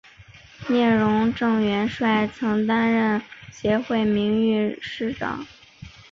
聂荣臻元帅曾担任协会名誉理事长。